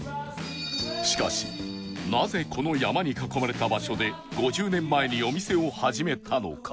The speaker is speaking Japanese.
しかしなぜこの山に囲まれた場所で５０年前にお店を始めたのか？